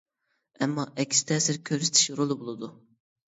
ئەمما ئەكس تەسىر كۆرسىتىش رولى بولىدۇ.